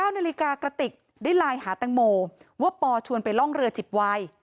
๙นาฬิกากระติกได้ไลน์หาแตงโมว่าปอชวนไปร่องเรือจิบวาย